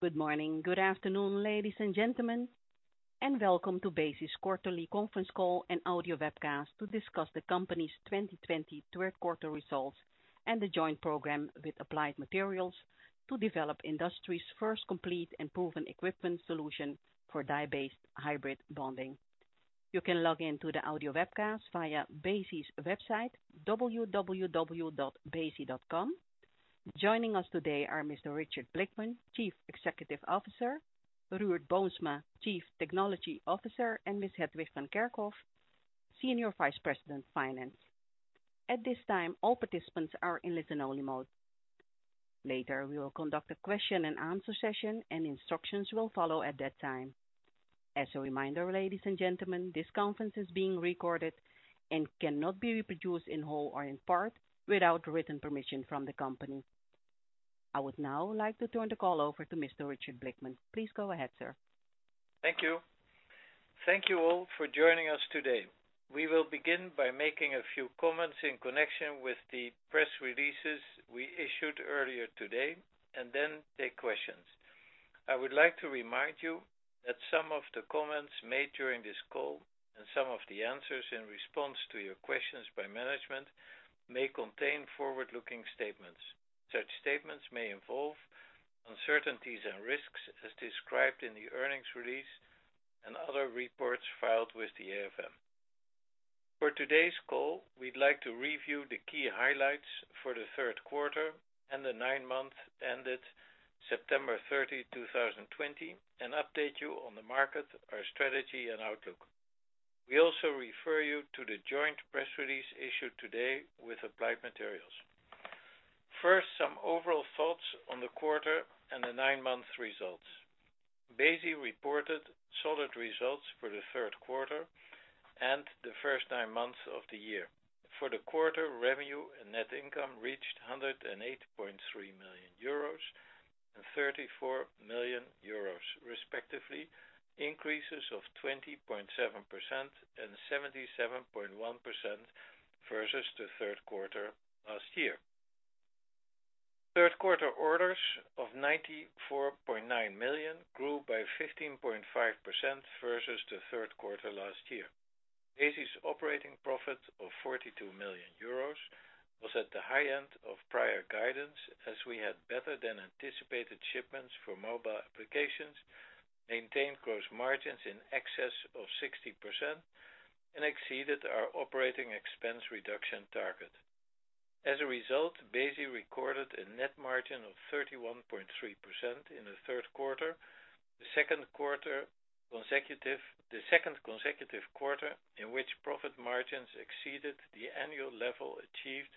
Good morning, good afternoon, ladies and gentlemen, and welcome to BESI's quarterly conference call and audio webcast to discuss the company's 2020 third quarter results and the joint program with Applied Materials to develop industry's first complete and proven equipment solution for die-based hybrid bonding. You can log in to the audio webcast via BESI's website, www.besi.com. Joining us today are Mr. Richard Blickman, Chief Executive Officer, Ruurd Boomsma, Chief Technology Officer, and Ms. Hetwig van Kerkhof, Senior Vice President, Finance. At this time, all participants are in listen-only mode. Later, we will conduct a question and answer session, and instructions will follow at that time. As a reminder, ladies and gentlemen, this conference is being recorded and cannot be reproduced in whole or in part without written permission from the company. I would now like to turn the call over to Mr. Richard Blickman. Please go ahead, sir. Thank you. Thank you all for joining us today. We will begin by making a few comments in connection with the press releases we issued earlier today, and then take questions. I would like to remind you that some of the comments made during this call and some of the answers in response to your questions by management may contain forward-looking statements. Such statements may involve uncertainties and risks as described in the earnings release and other reports filed with the AFM. For today's call, we'd like to review the key highlights for the third quarter and the nine months ended September 30, 2020, and update you on the market, our strategy, and outlook. We also refer you to the joint press release issued today with Applied Materials. First, some overall thoughts on the quarter and the nine-month results. BESI reported solid results for the third quarter and the first nine months of the year. For the quarter, revenue and net income reached 108.3 million euros and 34 million euros, respectively, increases of 20.7% and 77.1% versus the third quarter last year. Third quarter orders of 94.9 million grew by 15.5% versus the third quarter last year. BESI's operating profit of 42 million euros was at the high end of prior guidance, as we had better-than-anticipated shipments for mobile applications, maintained gross margins in excess of 60%, and exceeded our operating expense reduction target. As a result, BESI recorded a net margin of 31.3% in the third quarter, the second consecutive quarter in which profit margins exceeded the annual level achieved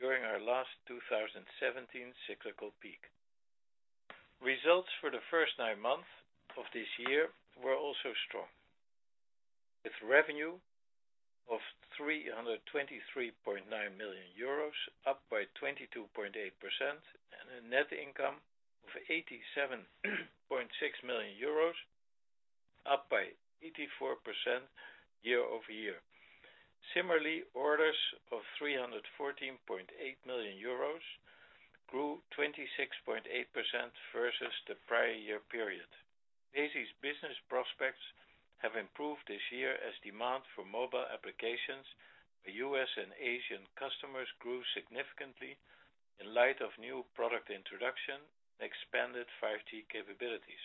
during our last 2017 cyclical peak. Results for the first nine months of this year were also strong, with revenue of 323.9 million euros, up by 22.8%, and a net income of 87.6 million euros, up by 84% year-over-year. Similarly, orders of 314.8 million euros grew 26.8% versus the prior year period. BESI's business prospects have improved this year as demand for mobile applications by U.S. and Asian customers grew significantly in light of new product introduction and expanded 5G capabilities.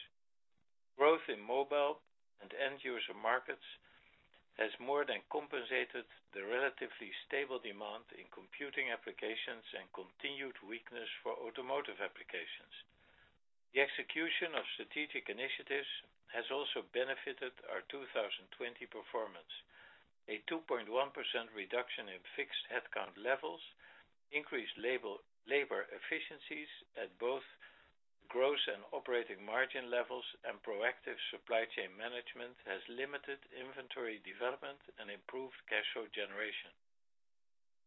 Growth in mobile and end-user markets has more than compensated the relatively stable demand in computing applications and continued weakness for automotive applications. The execution of strategic initiatives has also benefited our 2020 performance. A 2.1% reduction in fixed headcount levels, increased labor efficiencies at both gross and operating margin levels, and proactive supply chain management has limited inventory development and improved cash flow generation.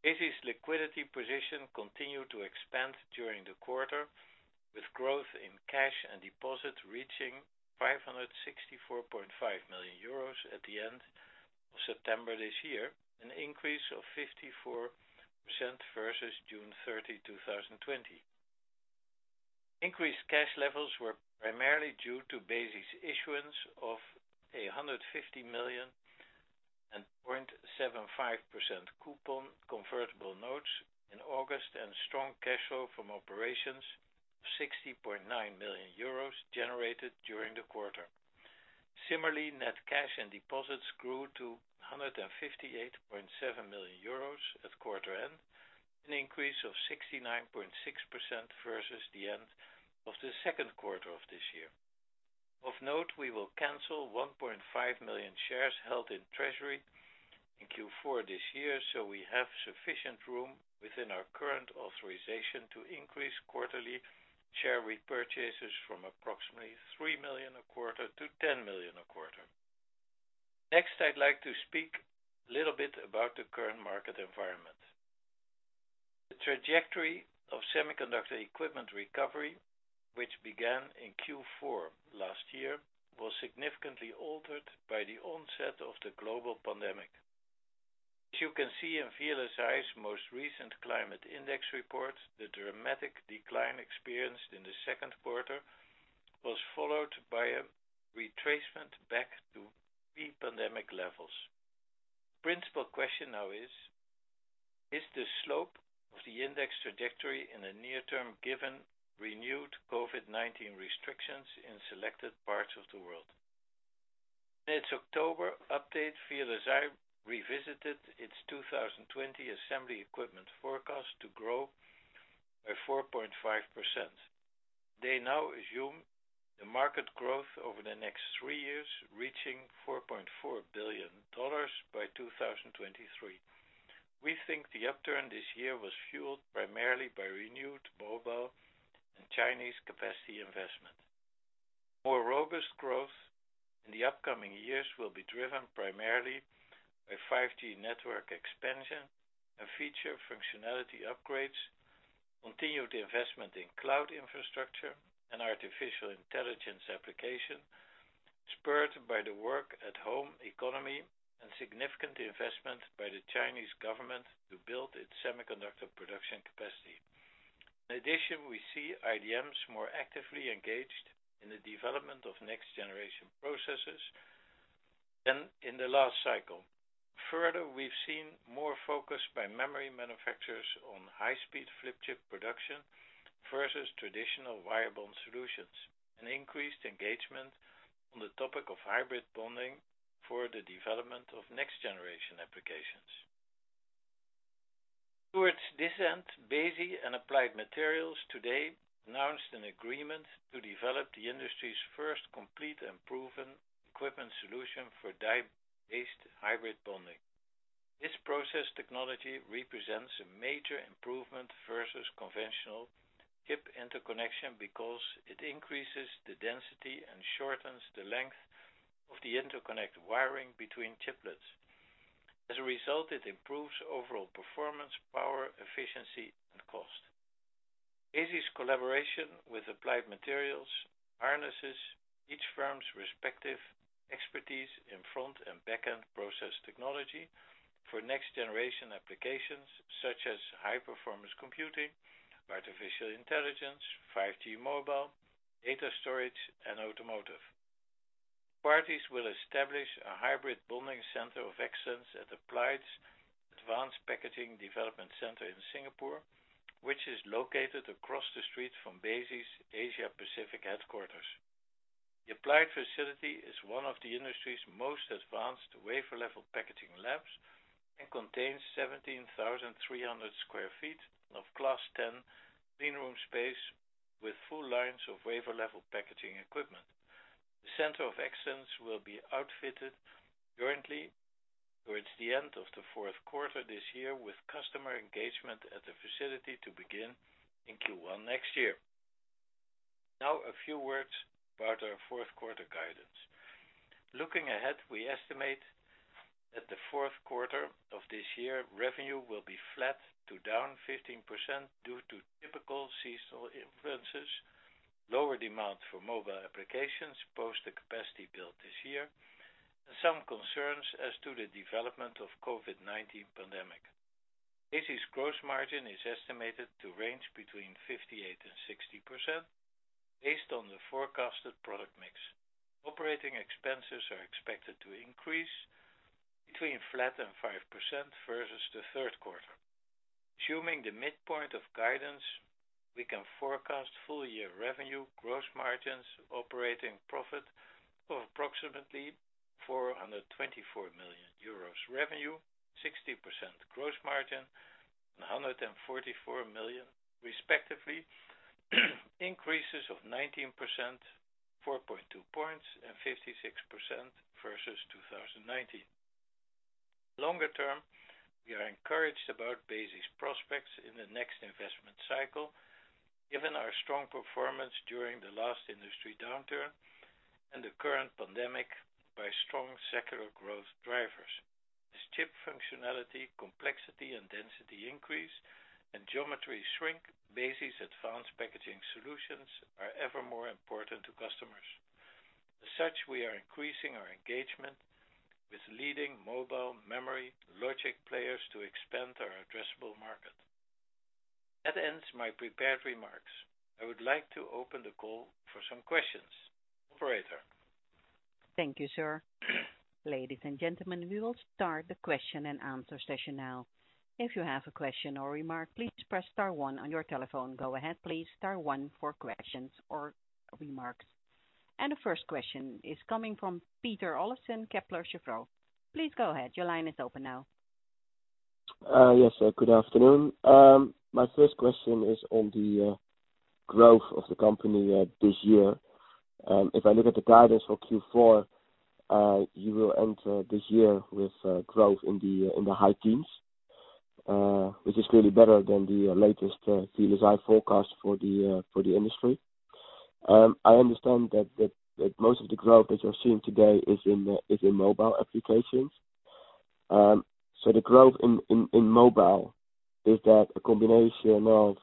BESI's liquidity position continued to expand during the quarter, with growth in cash and deposits reaching 564.5 million euros at the end of September this year, an increase of 54% versus June 30, 2020. Increased cash levels were primarily due to BESI's issuance of a $150 million and 0.75% coupon convertible notes in August and strong cash flow from operations of 60.9 million euros generated during the quarter. Similarly, net cash and deposits grew to 158.7 million euros at quarter end, an increase of 69.6% versus the end of the second quarter of this year. Of note, we will cancel 1.5 million shares held in treasury in Q4 this year, so we have sufficient room within our current authorization to increase quarterly share repurchases from approximately 3 million a quarter to 10 million a quarter. Next, I'd like to speak a little bit about the current market environment. The trajectory of semiconductor equipment recovery, which began in Q4 last year, was significantly altered by the onset of the global pandemic. As you can see in VLSI Research's most recent climate index report, the dramatic decline experienced in the second quarter was followed by a retracement back to pre-pandemic levels. Principal question now is the slope of the index trajectory in the near term given renewed COVID-19 restrictions in selected parts of the world? In its October update, VLSI Research revisited its 2020 assembly equipment forecast to grow by 4.5%. They now assume the market growth over the next three years, reaching EUR 4.4 billion by 2023. We think the upturn this year was fueled primarily by renewed mobile and Chinese capacity investment. More robust growth in the upcoming years will be driven primarily by 5G network expansion and feature functionality upgrades, continued investment in cloud infrastructure, and artificial intelligence application, spurred by the work at home economy and significant investment by the Chinese government to build its semiconductor production capacity. In addition, we see IDMs more actively engaged in the development of next generation processes than in the last cycle. Further, we've seen more focus by memory manufacturers on high-speed flip chip production versus traditional wire bond solutions, and increased engagement on the topic of hybrid bonding for the development of next generation applications. Towards this end, BESI and Applied Materials today announced an agreement to develop the industry's first complete and proven equipment solution for die-based hybrid bonding. This process technology represents a major improvement versus conventional chip interconnection because it increases the density and shortens the length of the interconnect wiring between chiplets. As a result, it improves overall performance, power, efficiency, and cost. BESI's collaboration with Applied Materials harnesses each firm's respective expertise in front and back-end process technology for next generation applications such as high-performance computing, artificial intelligence, 5G mobile, data storage, and automotive. Parties will establish a hybrid bonding Center of Excellence at Applied's Advanced Packaging Development Center in Singapore, which is located across the street from BESI's Asia Pacific headquarters. The Applied facility is one of the industry's most advanced wafer-level packaging labs and contains 17,300 sq ft of class 10 clean room space with full lines of wafer-level packaging equipment. The Center of Excellence will be outfitted currently towards the end of the fourth quarter this year, with customer engagement at the facility to begin in Q1 next year. Now, a few words about our fourth quarter guidance. Looking ahead, we estimate that the fourth quarter of this year, revenue will be flat to down 15% due to typical seasonal influences, lower demand for mobile applications post the capacity build this year, and some concerns as to the development of COVID-19 pandemic. BESI's gross margin is estimated to range between 58%-60%, based on the forecasted product mix. Operating expenses are expected to increase between flat and 5% versus the third quarter. Assuming the midpoint of guidance, we can forecast full year revenue, gross margins, operating profit of approximately 424 million euros revenue, 60% gross margin, and 144 million respectively, increases of 19%, 4.2 points and 56% versus 2019. Longer term, we are encouraged about BESI's prospects in the next investment cycle, given our strong performance during the last industry downturn and the current pandemic by strong secular growth drivers. As chip functionality, complexity and density increase and geometry shrink, BESI's advanced packaging solutions are ever more important to customers. As such, we are increasing our engagement with leading mobile memory logic players to expand our addressable market. That ends my prepared remarks. I would like to open the call for some questions. Operator? Thank you, sir. Ladies and gentlemen, we will start the question and answer session now. If you have a question or remark, please press star one on your telephone. Go ahead, please. Star one for questions or remarks. The first question is coming from Peter Olofsen, Kepler Cheuvreux. Please go ahead. Your line is open now. Yes, good afternoon. My first question is on the growth of the company this year. If I look at the guidance for Q4, you will end this year with growth in the high teens, which is clearly better than the latest VLSI Research forecast for the industry. I understand that most of the growth that you're seeing today is in mobile applications. The growth in mobile, is that a combination of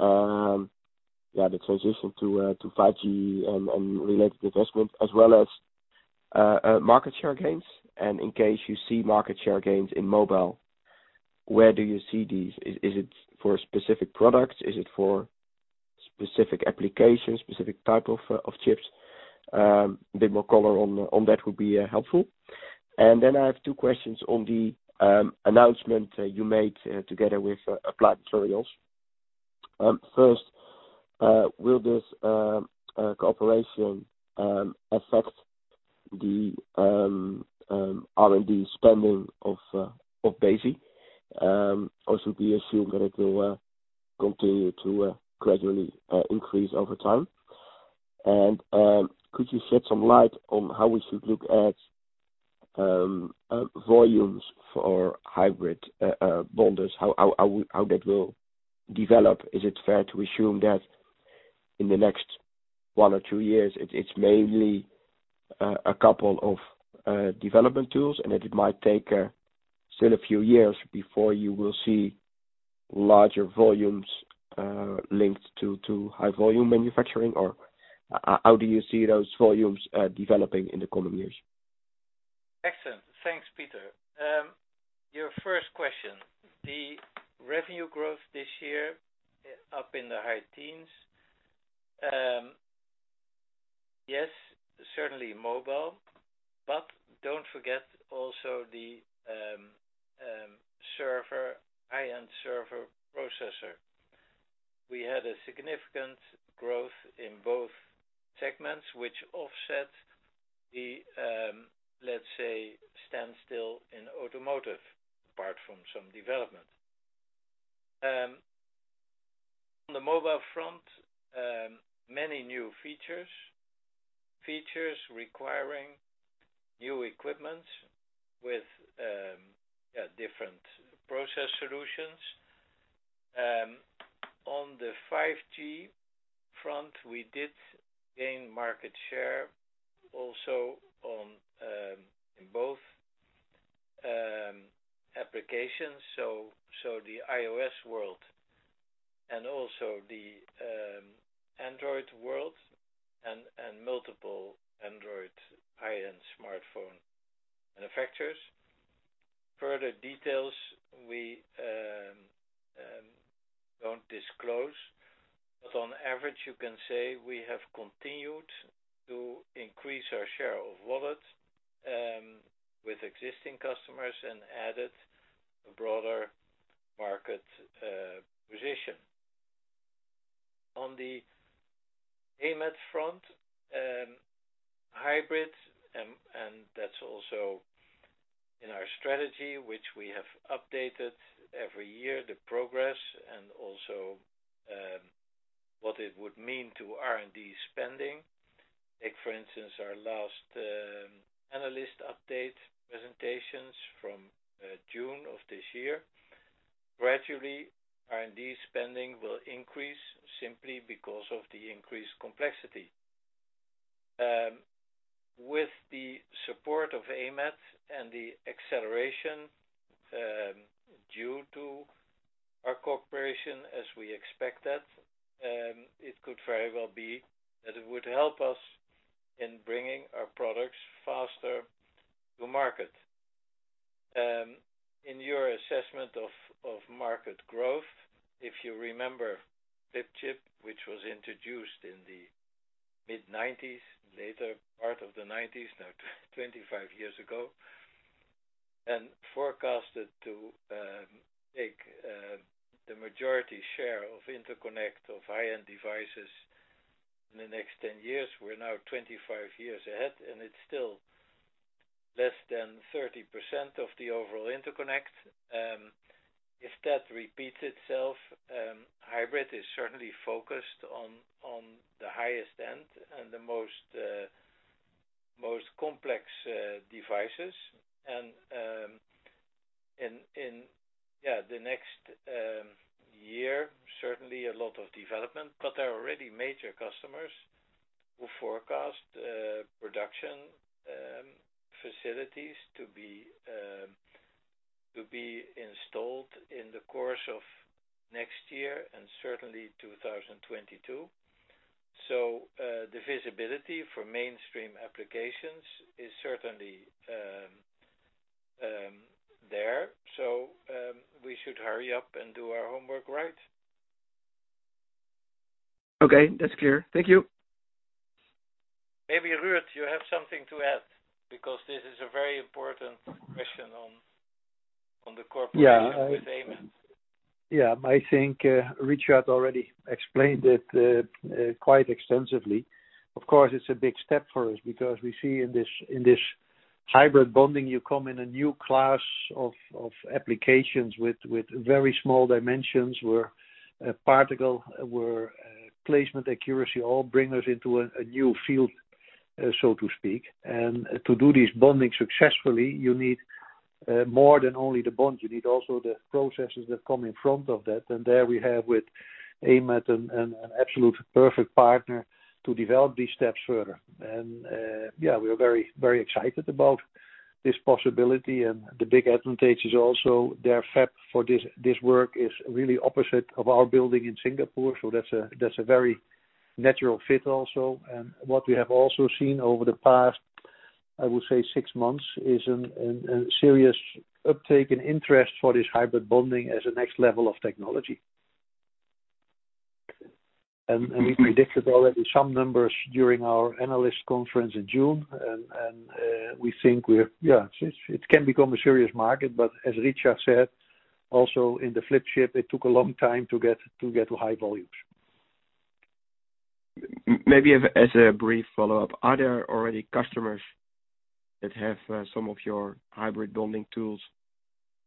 the transition to 5G and related investments as well as market share gains? In case you see market share gains in mobile, where do you see these? Is it for specific products? Is it for specific applications, specific type of chips? A bit more color on that would be helpful. I have two questions on the announcement you made together with Applied Materials. First, will this cooperation affect the R&D spending of BESI, or should we assume that it will continue to gradually increase over time? Could you shed some light on how we should look at volumes for hybrid bonders? How that will develop? Is it fair to assume that in the next one or two years, it's mainly a couple of development tools and that it might take still a few years before you will see larger volumes linked to high volume manufacturing? Or how do you see those volumes developing in the coming years? Excellent. Thanks, Peter. Your first question, the revenue growth this year up in the high teens. Yes, certainly mobile. Don't forget also the high-end server processor. We had a significant growth in both segments, which offset the, let's say, standstill in automotive, apart from some development. On the mobile front, many new features requiring new equipment with different process solutions. On the 5G front, we did gain market share also in both applications. The iOS world and also the Android world and multiple Android high-end smartphone manufacturers. Further details, we don't disclose. On average, you can say we have continued to increase our share of wallet with existing customers and added a broader market position. On the AMAT front, hybrid. That's also in our strategy, which we have updated every year, the progress and also what it would mean to R&D spending. Take, for instance, our last analyst update presentations from June of this year. Gradually, R&D spending will increase simply because of the increased complexity. With the support of AMAT and the acceleration due to our cooperation, as we expected, it could very well be that it would help us in bringing our products faster to market. In your assessment of market growth, if you remember flip chip, which was introduced in the mid-90s, later part of the 90s, now 25 years ago, and forecasted to take the majority share of interconnect of high-end devices in the next 10 years. We're now 25 years ahead, and it's still less than 30% of the overall interconnect. If that repeats itself, hybrid is certainly focused on the highest end and the most complex devices. In the next year, certainly a lot of development, but there are already major customers who forecast production facilities to be installed in the course of next year and certainly 2022. The visibility for mainstream applications is certainly there. We should hurry up and do our homework right. Okay. That's clear. Thank you. Maybe Ruurd, you have something to add because this is a very important question on the cooperation with AMAT. Yeah. I think Richard already explained it quite extensively. Of course, it's a big step for us because we see in this hybrid bonding, you come in a new class of applications with very small dimensions where particle, where placement accuracy all bring us into a new field, so to speak. To do this bonding successfully, you need more than only the bond. You need also the processes that come in front of that. There we have with AMAT, an absolute perfect partner to develop these steps further. We are very excited about this possibility. The big advantage is also their fab for this work is really opposite of our building in Singapore. That's a very natural fit also. What we have also seen over the past, I would say six months, is a serious uptake in interest for this hybrid bonding as a next level of technology. We predicted already some numbers during our analyst conference in June, and we think it can become a serious market, but as Richard said, also in the flip chip, it took a long time to get to high volumes. Maybe as a brief follow-up, are there already customers that have some of your hybrid bonding tools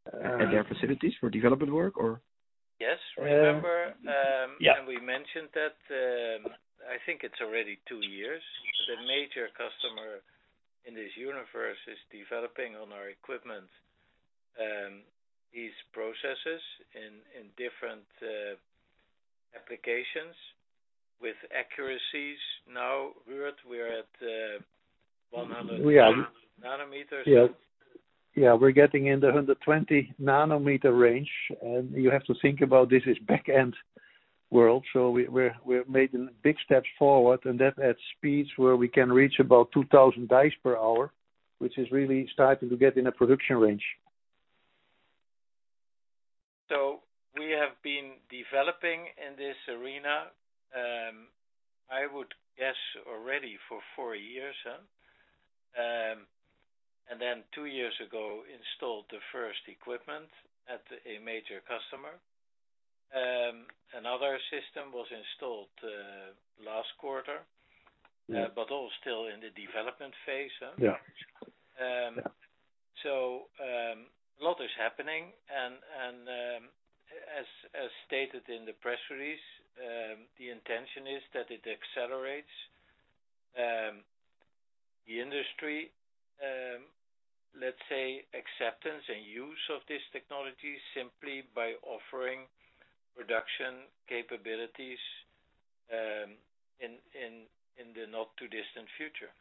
at their facilities for development work or? Yes. Yeah. We mentioned that, I think it's already two years. The major customer in this universe is developing on our equipment, these processes in different applications with accuracies. Ruurd, we're at 100- We are- Nanometers. Yeah. We're getting in the 120 nanometer range. You have to think about this is back-end world. We have made big steps forward and that at speeds where we can reach about 2,000 dice per hour, which is really starting to get in a production range. We have been developing in this arena, I would guess, already for four years. Two years ago, installed the first equipment at a major customer. Another system was installed last quarter, but all still in the development phase. Yeah. A lot is happening and, as stated in the press release, the intention is that it accelerates, the industry, let's say acceptance and use of this technology simply by offering production capabilities, in the not too distant future.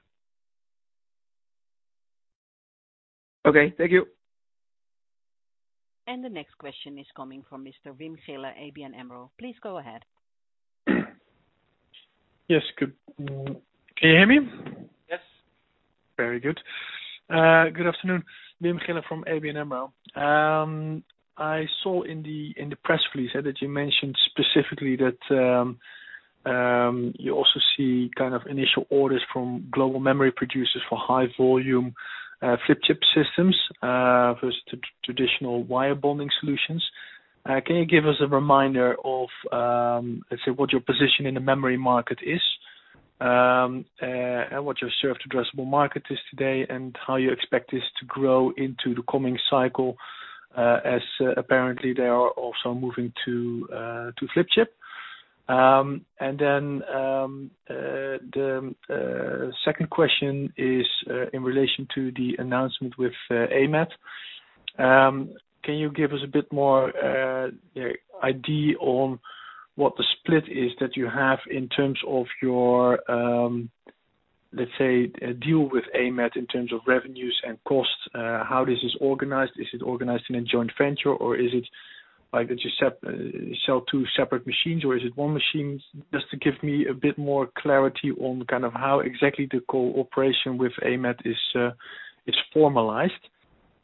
Okay. Thank you. The next question is coming from Mr. Wim Gille, ABN AMRO. Please go ahead. Yes. Good. Can you hear me? Yes. Very good. Good afternoon, Wim Gille from ABN AMRO. I saw in the press release that you mentioned specifically that you also see initial orders from global memory producers for high volume flip chip systems, versus traditional wire bonding solutions. Can you give us a reminder of, let's say, what your position in the memory market is, and what your served addressable market is today, and how you expect this to grow into the coming cycle? As apparently they are also moving to flip chip. The second question is, in relation to the announcement with AMAT. Can you give us a bit more, idea on what the split is that you have in terms of your, let's say, deal with AMAT in terms of revenues and costs, how this is organized? Is it organized in a joint venture, or is it like that you sell two separate machines, or is it one machine? Just to give me a bit more clarity on how exactly the cooperation with AMAT is formalized.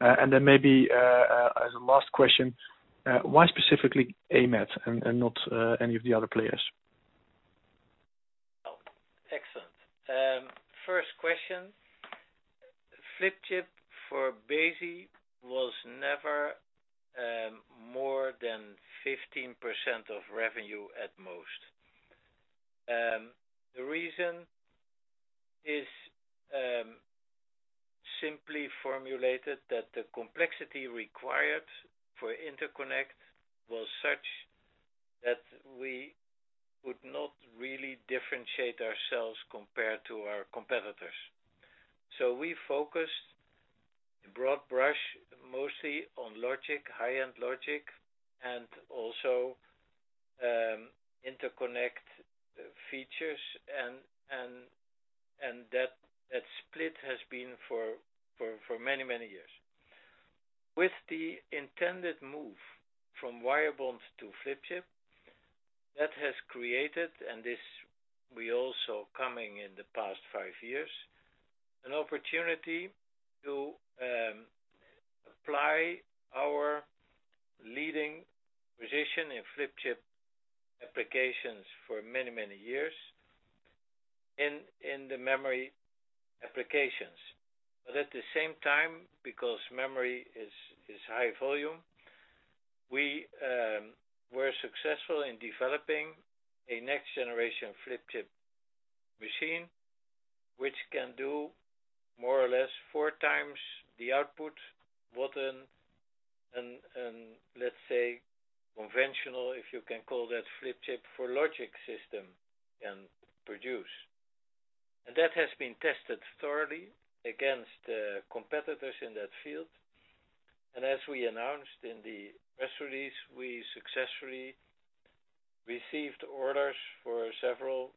Maybe, as a last question, why specifically AMAT and not any of the other players? Well, excellent. First question. Flip chip for BESI was never more than 15% of revenue at most. The reason is simply formulated that the complexity required for interconnect was such that we would not really differentiate ourselves compared to our competitors. We focused broad brush mostly on logic, high-end logic and also, interconnect features and that split has been for many years. With the intended move from wire bond to flip chip, that has created, and this we also coming in the past five years, an opportunity to apply our leading position in flip chip applications for many years in the memory applications. At the same time, because memory is high volume, we were successful in developing a next generation flip chip machine, which can do more or less four times the output than, let's say conventional, if you can call that flip chip for logic system can produce. That has been tested thoroughly against competitors in that field. As we announced in the press release, we successfully received orders for several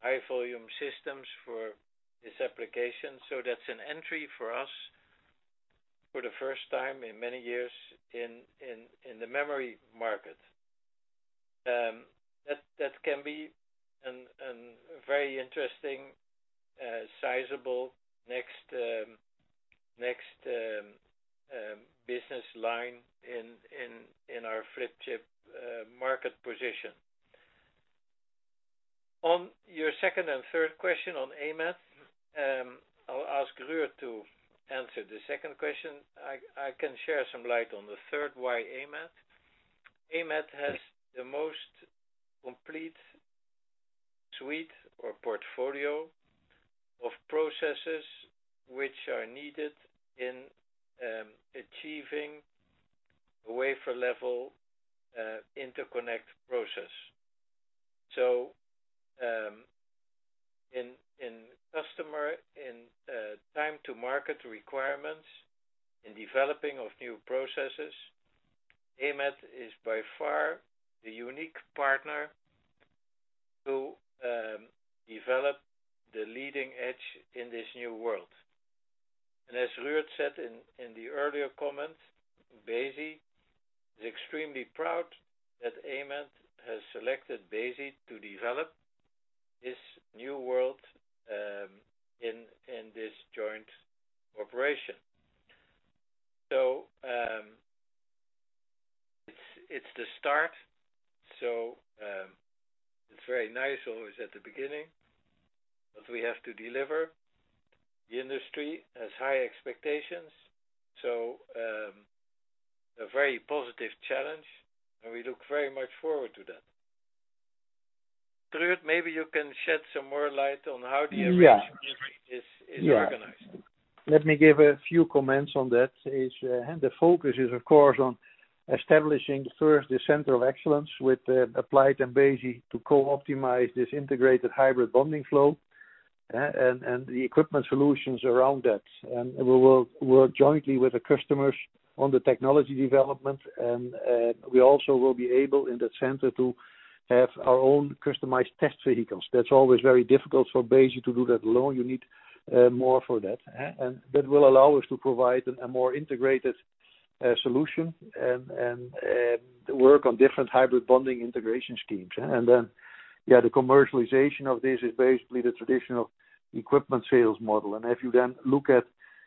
high-volume systems for this application. That's an entry for us for the first time in many years in the memory market. That can be a very interesting sizable next business line in our flip chip market position. On your second and third question on AMAT, I'll ask Ruurd to answer the second question. I can share some light on the third, why AMAT? AMAT has the most complete suite or portfolio of processes which are needed in achieving a wafer-level interconnect process. In time to market requirements, in developing of new processes, AMAT is by far the unique partner to develop the leading edge in this new world. As Ruurd said in the earlier comments, BESI is extremely proud that AMAT has selected BESI to develop this new world, in this joint operation. It's the start. It's very nice always at the beginning, but we have to deliver. The industry has high expectations, so, a very positive challenge, and we look very much forward to that. Ruurd, maybe you can shed some more light on how the arrangement is organized. Let me give a few comments on that. The focus is of course on establishing first the Center of Excellence with Applied and BESI to co-optimize this integrated hybrid bonding flow, and the equipment solutions around that. We will work jointly with the customers on the technology development and we also will be able, in the center, to have our own customized test vehicles. That's always very difficult for BESI to do that alone. You need more for that. That will allow us to provide a more integrated solution and work on different hybrid bonding integration schemes. The commercialization of this is basically the traditional equipment sales model. If you then look at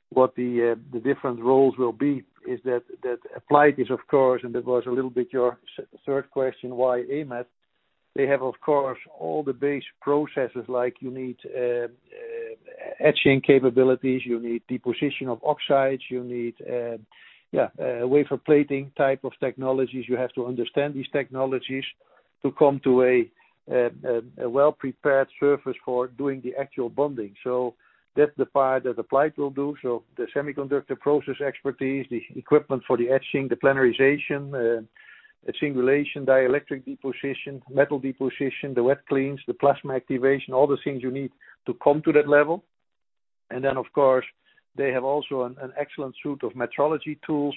what the different roles will be, is that Applied is of course, and that was a little bit your third question, why AMAT? They have, of course, all the base processes like you need etching capabilities, you need deposition of oxides, you need wafer plating type of technologies. You have to understand these technologies to come to a well-prepared surface for doing the actual bonding. That's the part that Applied will do. The semiconductor process expertise, the equipment for the etching, the planarization, etching, dielectric deposition, metal deposition, the wet cleans, the plasma activation, all the things you need to come to that level. Then, of course, they have also an excellent suite of metrology tools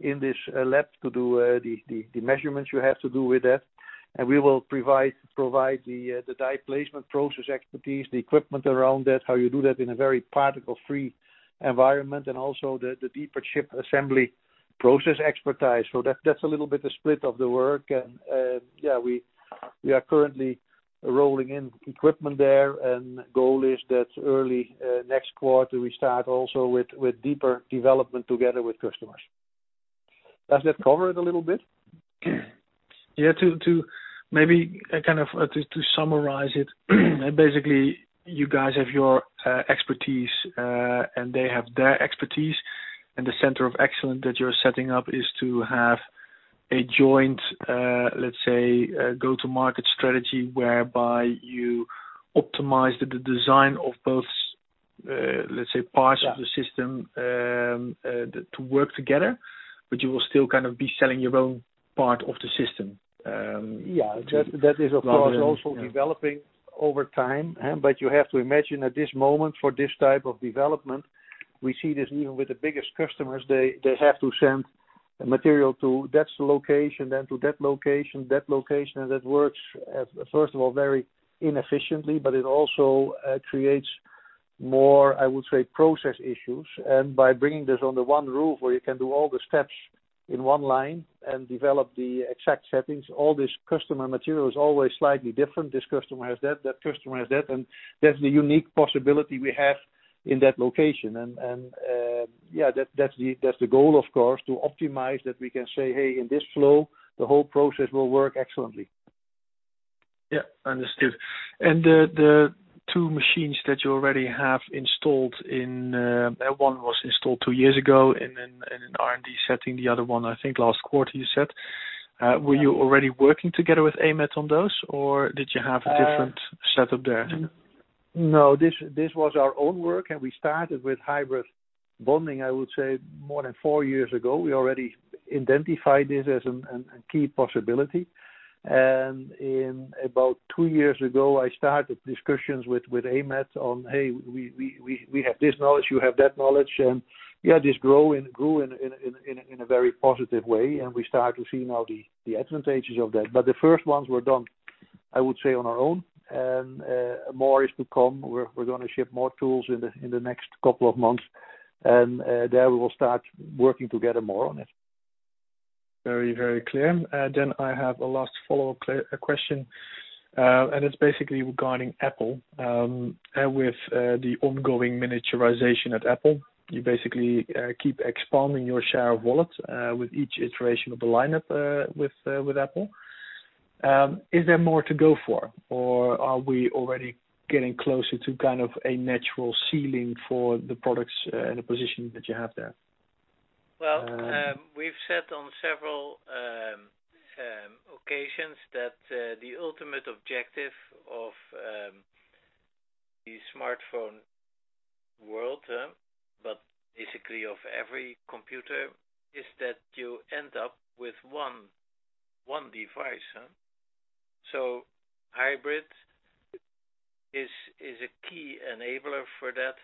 in this lab to do the measurements you have to do with that. We will provide the die placement process expertise, the equipment around that, how you do that in a very particle-free environment, and also the deeper chip assembly process expertise. That's a little bit the split of the work. We are currently rolling in equipment there, and goal is that early next quarter, we start also with deeper development together with customers. Does that cover it a little bit? Yeah, to summarize it, basically, you guys have your expertise, and they have their expertise, and the Center of Excellence that you're setting up is to have a joint, let's say, go-to-market strategy whereby you optimize the design of both, let's say, parts. Yeah. Of the system to work together, but you will still be selling your own part of the system. That is, of course, also developing over time. You have to imagine at this moment, for this type of development, we see this even with the biggest customers, they have to send material to that location, then to that location, that location. That works, first of all, very inefficiently, but it also creates more, I would say, process issues. By bringing this under one roof where you can do all the steps in one line and develop the exact settings, all this customer material is always slightly different. This customer has that customer has that, and that's the unique possibility we have in that location. That's the goal, of course, to optimize that we can say, "Hey, in this flow, the whole process will work excellently." Yeah. Understood. The two machines that you already have installed. One was installed two years ago in an R&D setting, the other one, I think, last quarter you said. Were you already working together with AMAT on those, or did you have a different setup there? No, this was our own work, we started with hybrid bonding, I would say more than four years ago, we already identified this as a key possibility. About two years ago, I started discussions with AMAT on, "Hey, we have this knowledge. You have that knowledge." Yeah, this grew in a very positive way, and we start to see now the advantages of that. The first ones were done, I would say, on our own, and more is to come. We're going to ship more tools in the next couple of months, and there we will start working together more on it. Very clear. I have a last follow-up question, and it's basically regarding Apple. With the ongoing miniaturization at Apple, you basically keep expanding your share of wallet with each iteration of the lineup with Apple. Is there more to go for, or are we already getting closer to a natural ceiling for the products and the position that you have there? Well, we've said on several occasions that the ultimate objective of the smartphone world, but basically of every computer, is that you end up with one device. Hybrid is a key enabler for that.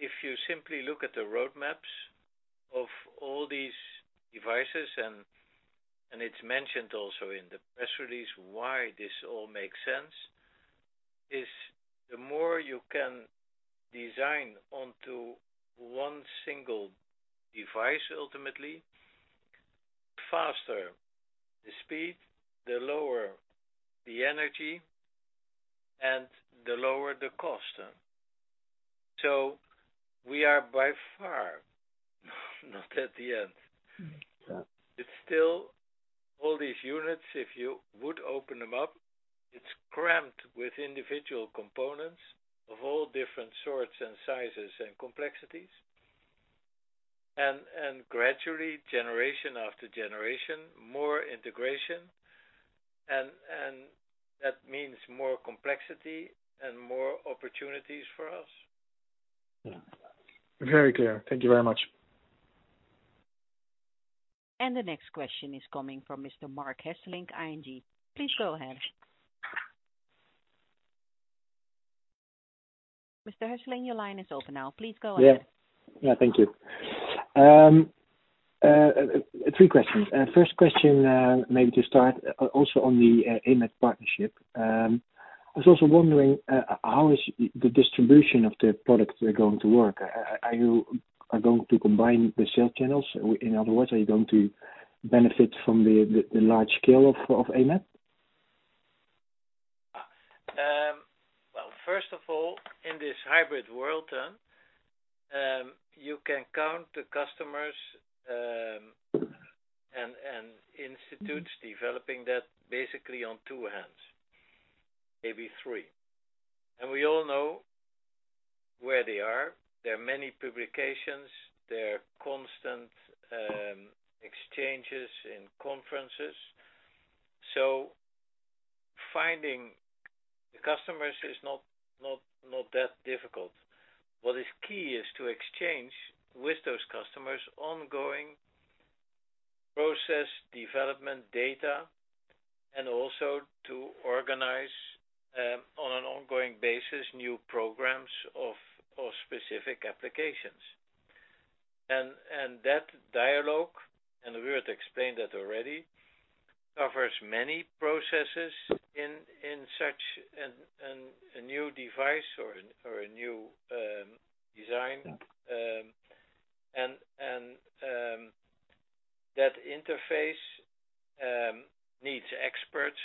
If you simply look at the roadmaps of all these devices, and it's mentioned also in the press release why this all makes sense, is the more you can design onto one single device, ultimately, the faster the speed, the lower the energy, and the lower the cost. We are by far not at the end. It's still all these units, if you would open them up, it's crammed with individual components of all different sorts and sizes and complexities. Gradually, generation after generation, more integration, and that means more complexity and more opportunities for us. Yeah. Very clear. Thank you very much. The next question is coming from Mr. Marc Hesselink, ING. Please go ahead. Mr. Hesselink, your line is open now. Please go ahead. Yeah. Thank you. Three questions. First question, maybe to start, also on the AMAT partnership. I was also wondering how is the distribution of the products are going to work? Are you going to combine the sale channels? In other words, are you going to benefit from the large scale of AMAT? First of all, in this hybrid world, you can count the customers and institutes developing that basically on two hands, maybe three. We all know where they are. There are many publications. There are constant exchanges in conferences. Finding the customers is not that difficult. What is key is to exchange with those customers ongoing process development data, and also to organize, on an ongoing basis, new programs of specific applications. That dialogue, and we were to explain that already, covers many processes in such a new device or a new design. That interface needs experts.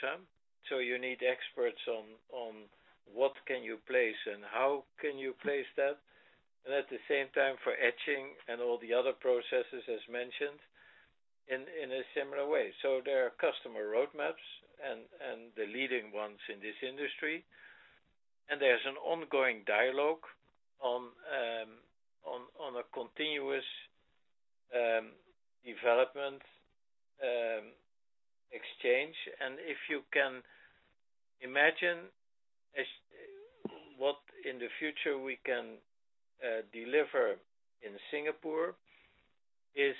You need experts on what can you place and how can you place that, and at the same time for etching and all the other processes as mentioned in a similar way. There are customer roadmaps and the leading ones in this industry, there's an ongoing dialogue on a continuous development exchange. If you can imagine what in the future we can deliver in Singapore is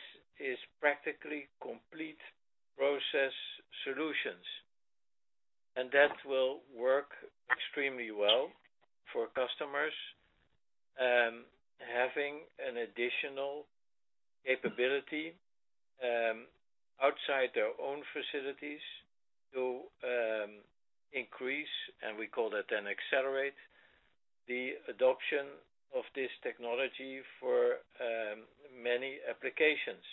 practically complete process solutions. That will work extremely well for customers, having an additional capability outside their own facilities to increase, and we call that then accelerate, the adoption of this technology for many applications.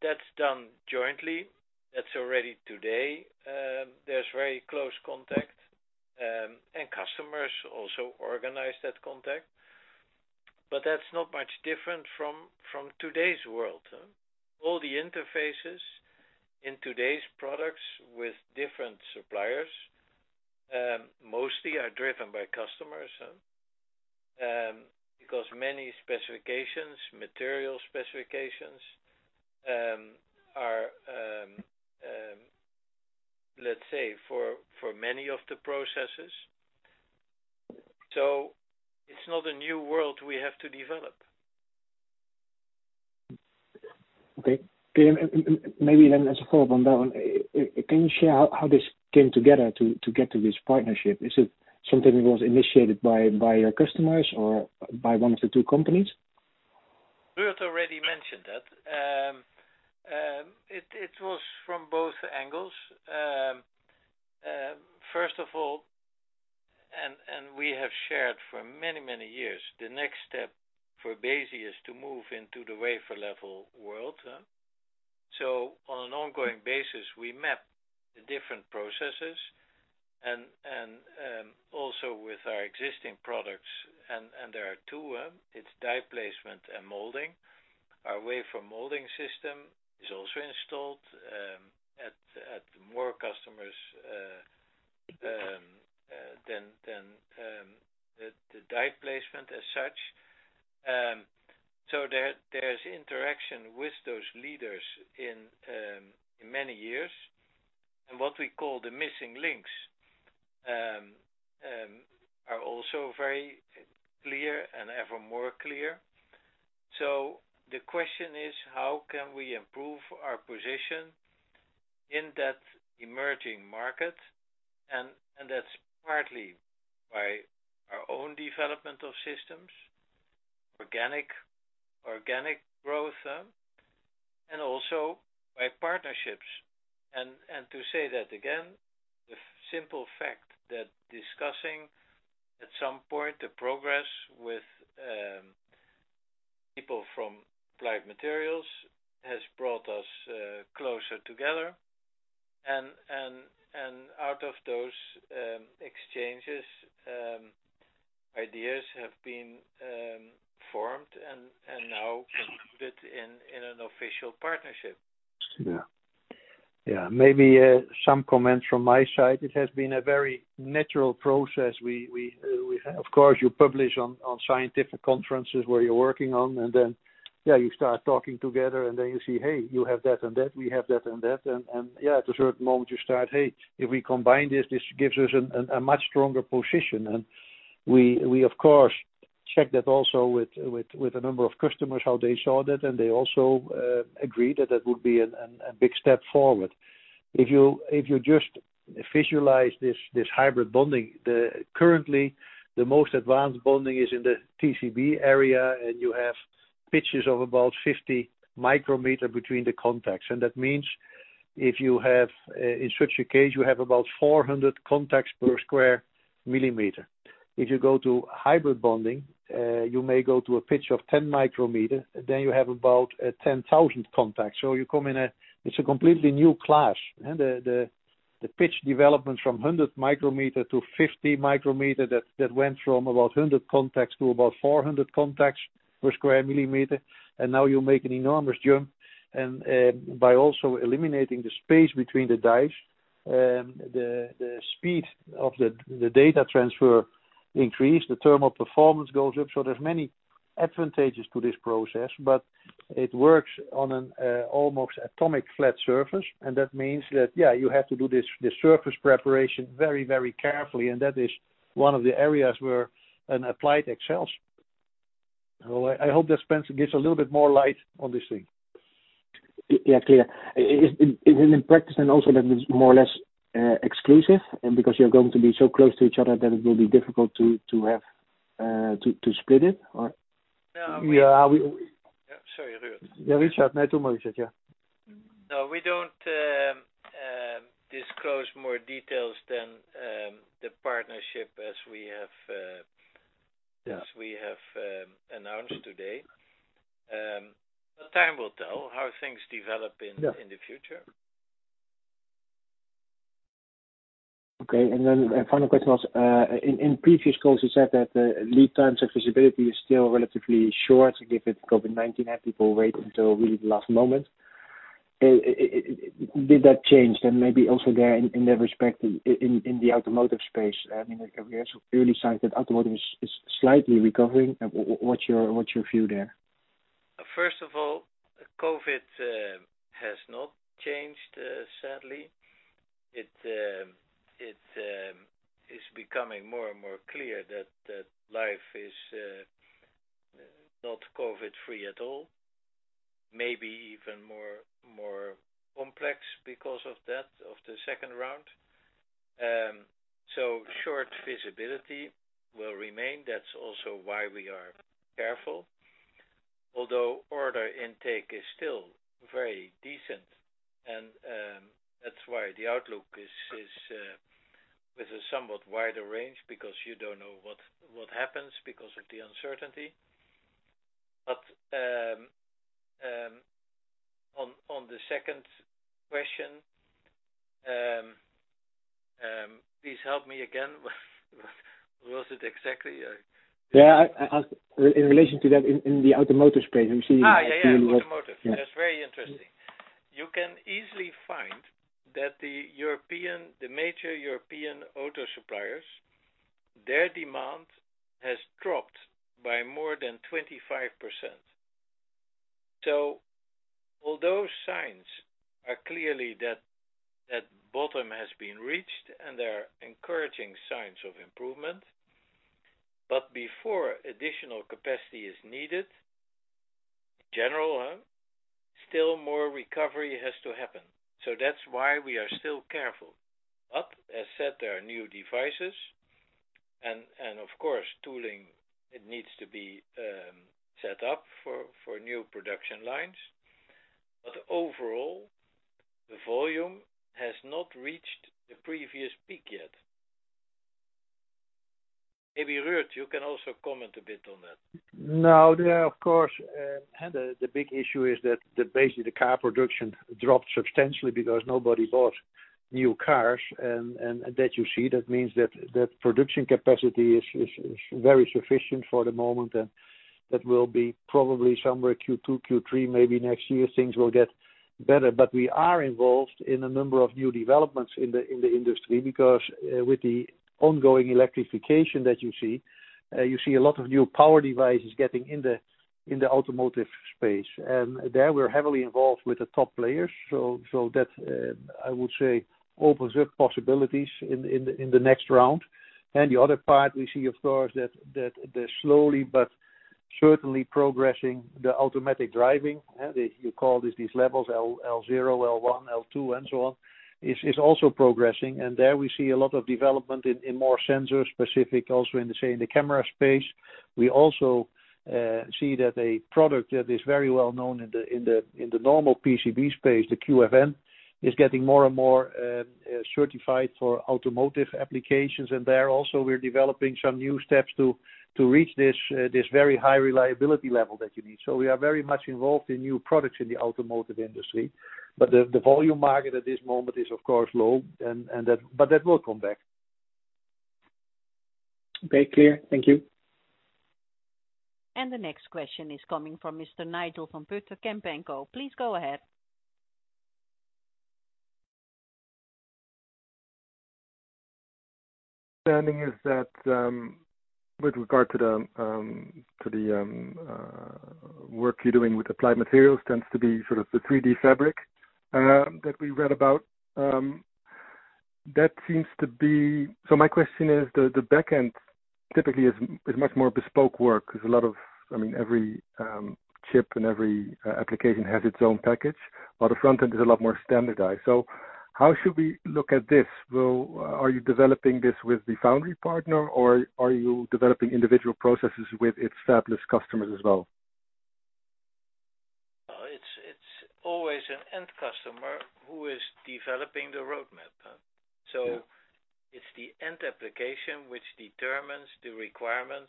That's done jointly. That's already today. There's very close contact, and customers also organize that contact. That's not much different from today's world. All the interfaces in today's products with different suppliers, mostly are driven by customers. Because many specifications, material specifications are, let's say, for many of the processes. It's not a new world we have to develop. Okay. Maybe as a follow-up on that one, can you share how this came together to get to this partnership? Is it something that was initiated by your customers or by one of the two companies? Ruurd already mentioned that. It was from both angles. First of all, we have shared for many, many years, the next step for BESI is to move into the wafer-level world. On an ongoing basis, we map the different processes and also with our existing products, and there are two of them, it's die placement and molding. Our wafer molding system is also installed at more customers than the die placement as such. There's interaction with those leaders in many years, what we call the missing links are also very clear and ever more clear. The question is, how can we improve our position in that emerging market? That's partly by our own development of systems, organic growth, and also by partnerships. To say that again, the simple fact that discussing at some point the progress with people from Applied Materials has brought us closer together, and out of those exchanges, ideas have been formed and now concluded in an official partnership. Maybe some comments from my side. It has been a very natural process. Of course, you publish on scientific conferences where you're working on, and then, yeah, you start talking together, and then you see, hey, you have that and that, we have that and that, and yeah, at a certain moment, you start, hey, if we combine this gives us a much stronger position. We, of course, check that also with a number of customers, how they saw that, and they also agreed that that would be a big step forward. If you just visualize this hybrid bonding, currently the most advanced bonding is in the TCB area, and you have pitches of about 50 micrometers between the contacts. That means in such a case, you have about 400 contacts per square millimeter. If you go to hybrid bonding, you may go to a pitch of 10 micrometers, then you have about 10,000 contacts. It's a completely new class. The pitch development from 100 micrometers to 50 micrometers, that went from about 100 contacts to about 400 contacts per square millimeter, and now you make an enormous jump. By also eliminating the space between the dies, the speed of the data transfer increase, the thermal performance goes up. There's many advantages to this process, but it works on an almost atomic flat surface, and that means that you have to do this surface preparation very carefully, and that is one of the areas where Applied excels. I hope that Spence gives a little bit more light on this thing. Yeah, clear. In practice, and also that means more or less exclusive, and because you're going to be so close to each other that it will be difficult to split it? Yeah. Yeah. Sorry, Ruurd. Yeah, Richard. No, two more, Richard. Yeah. No, we don't disclose more details than the partnership. Yeah. As we have announced today and the time will tell how things develop. Yeah. In the future. Okay. Final question was, in previous calls, you said that the lead times and visibility is still relatively short, given COVID-19 had people wait until really the last moment. Did that change? Maybe also there in that respect, in the automotive space, we have some early signs that automotive is slightly recovering. What's your view there? First of all, COVID has not changed, sadly. It is becoming more and more clear that life is not COVID-free at all. Maybe even more complex because of that, of the second round. Short visibility will remain. That's also why we are careful. Although order intake is still very decent, and that's why the outlook is with a somewhat wider range, because you don't know what happens because of the uncertainty. On the second question, please help me again. What was it exactly? Yeah, in relation to that in the automotive space. Yeah. Automotive. Yeah. That's very interesting. The major European auto suppliers, their demand has dropped by more than 25%. Although signs are clearly that bottom has been reached and there are encouraging signs of improvement, but before additional capacity is needed, in general, still more recovery has to happen. That's why we are still careful. As said, there are new devices and of course tooling, it needs to be set up for new production lines. Overall volume has not reached the previous peak yet. Maybe, Ruurd, you can also comment a bit on that. No, of course, the big issue is that basically the car production dropped substantially because nobody bought new cars, and that you see, that means that production capacity is very sufficient for the moment, and that will be probably somewhere Q2, Q3, maybe next year, things will get better. We are involved in a number of new developments in the industry because with the ongoing electrification that you see, you see a lot of new power devices getting in the automotive space. There we're heavily involved with the top players. That, I would say, opens up possibilities in the next round. The other part we see, of course, that they're slowly but certainly progressing the automatic driving. You call these levels L0, L1, L2, and so on, is also progressing. There we see a lot of development in more sensor-specific, also in, say, the camera space. We also see that a product that is very well known in the normal PCB space, the QFN, is getting more and more certified for automotive applications. There also, we're developing some new steps to reach this very high reliability level that you need. We are very much involved in new products in the automotive industry. The volume market at this moment is, of course, low. That will come back. Okay, clear. Thank you. The next question is coming from Mr. Nigel van Putten, Kempen & Co. Please go ahead. Understanding is that, with regard to the work you're doing with Applied Materials, tends to be sort of the 3DFabric that we read about. My question is, the back end typically is much more bespoke work because every chip and every application has its own package, but the front end is a lot more standardized. How should we look at this? Are you developing this with the foundry partner, or are you developing individual processes with its fabless customers as well? It's always an end customer who is developing the roadmap. Yeah. It's the end application which determines the requirements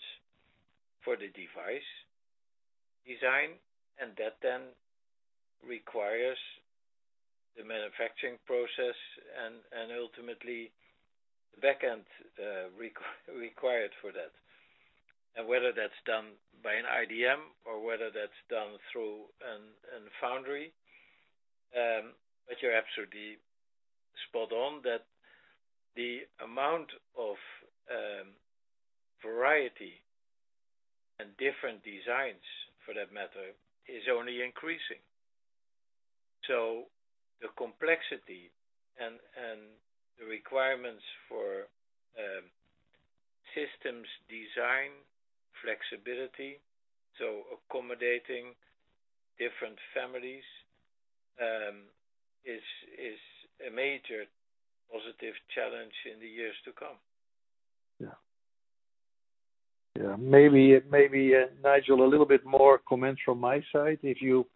for the device design, and that then requires the manufacturing process and ultimately the back end required for that. Whether that's done by an IDM or whether that's done through a foundry, but you're absolutely spot on that the amount of variety and different designs, for that matter, is only increasing. The complexity and the requirements for systems design, flexibility, so accommodating different families, is a major positive challenge in the years to come. Yeah. Yeah. Maybe, Nigel, a little bit more comments from my side. If you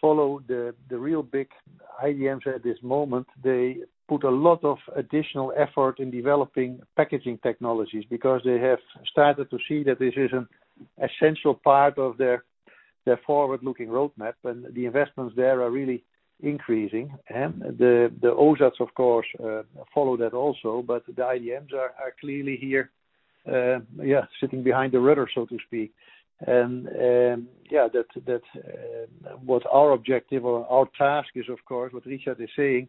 follow the real big IDMs at this moment, they put a lot of additional effort in developing packaging technologies because they have started to see that this is an essential part of their forward-looking roadmap, and the investments there are really increasing. The OSATs, of course, follow that also, but the IDMs are clearly here, sitting behind the rudder, so to speak. Yeah, that's what our objective or our task is, of course, what Richard is saying,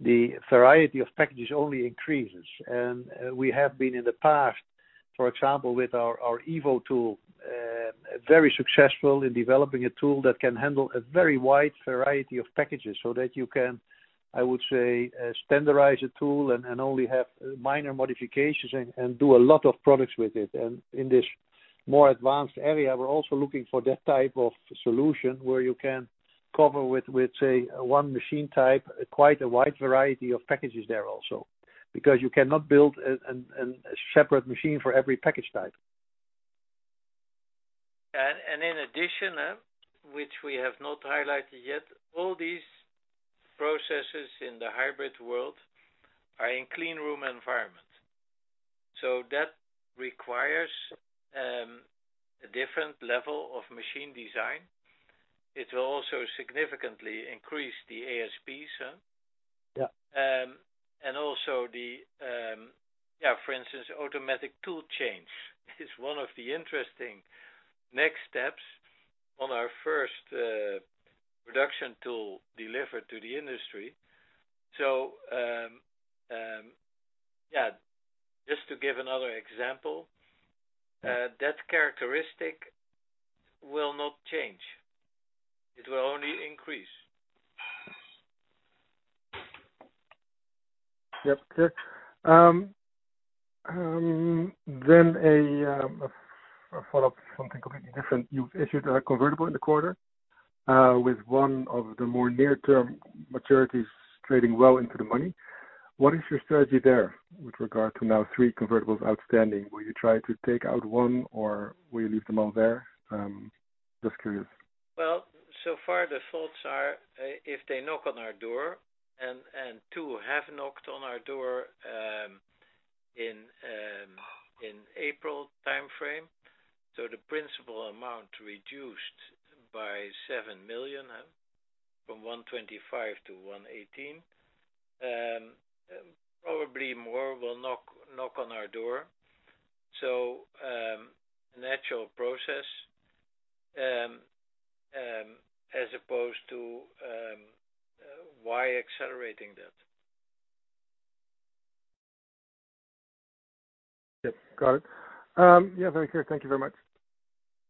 the variety of packages only increases. We have been in the past, for example, with our evo tool, very successful in developing a tool that can handle a very wide variety of packages so that you can, I would say, standardize a tool and only have minor modifications and do a lot of products with it. In this more advanced area, we're also looking for that type of solution where you can cover with, say, one machine type, quite a wide variety of packages there also. You cannot build a separate machine for every package type. In addition, which we have not highlighted yet, all these processes in the hybrid world are in clean room environment. That requires a different level of machine design. It will also significantly increase the ASPs. Yeah. Yeah, for instance, automatic tool change is one of the interesting next steps on our first production tool delivered to the industry. Just to give another example, that characteristic will not change. It will only increase. Yep. A follow-up, something completely different. You've issued a convertible in the quarter, with one of the more near-term maturities trading well into the money. What is your strategy there with regard to now three convertibles outstanding? Will you try to take out one, or will you leave them all there? Just curious. Well, so far the thoughts are, if they knock on our door, and two have knocked on our door in April timeframe. The principal amount reduced by 7 million from 125 to 118. Probably more will knock on our door. Natural process as opposed to why accelerating that. Yep, got it. Yeah, very clear. Thank you very much.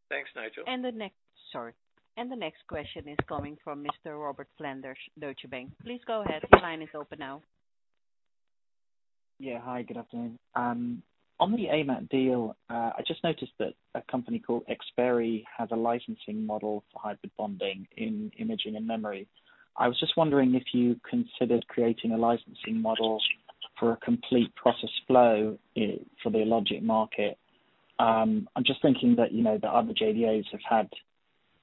Thanks, Nigel. The next question is coming from Mr. Robert Sanders, Deutsche Bank. Please go ahead. Your line is open now. Hi, good afternoon. On the AMAT deal, I just noticed that a company called Xperi has a licensing model for hybrid bonding in imaging and memory. I was just wondering if you considered creating a licensing model for a complete process flow for the logic market. I'm just thinking that the other JDAs have had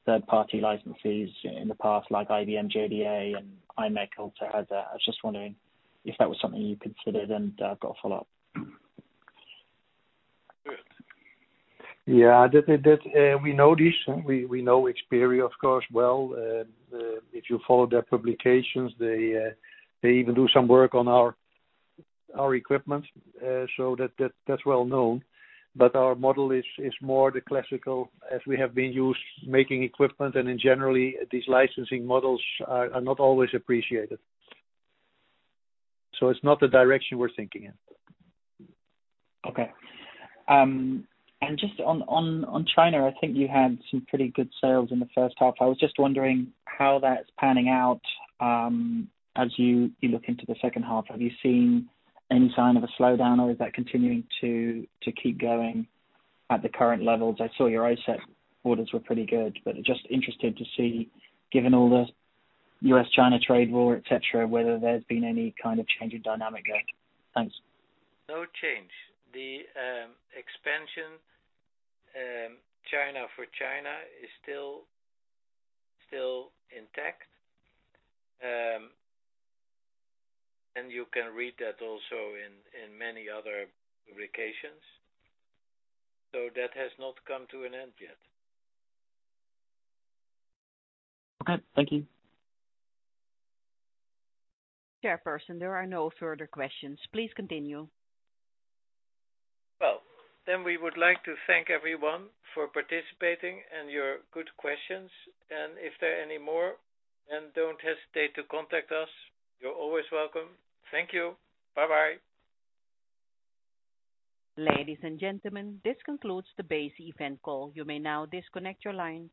third-party licensees in the past, like IBM JDA and imec also has that. I was just wondering if that was something you considered. I've got a follow-up. Good. Yeah. We know this. We know Xperi, of course, well. If you follow their publications, they even do some work on our equipment. That's well-known. Our model is more the classical as we have been used making equipment, and generally, these licensing models are not always appreciated. It's not the direction we're thinking in. Okay. Just on China, I think you had some pretty good sales in the first half. I was just wondering how that's panning out as you look into the second half. Have you seen any sign of a slowdown, or is that continuing to keep going at the current levels? I saw your OSAT orders were pretty good, but just interested to see, given all the U.S.-China trade war, et cetera, whether there's been any kind of change in dynamic there. Thanks. No change. The expansion, China for China is still intact. You can read that also in many other publications. That has not come to an end yet. Okay, thank you. Chairperson, there are no further questions. Please continue. We would like to thank everyone for participating and your good questions. If there are any more, don't hesitate to contact us. You are always welcome. Thank you. Bye-bye. Ladies and gentlemen, this concludes the BESI event call. You may now disconnect your line.